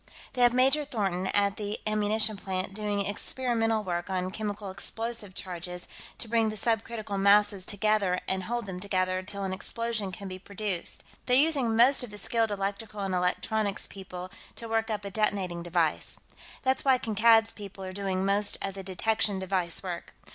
They have Major Thornton, at the ammunition plant, doing experimental work on chemical explosive charges to bring the subcritical masses together and hold them together till an explosion can be produced; they're using most of the skilled electrical and electronics people to work up a detonating device. That's why Kankad's people are doing most of the detection device work.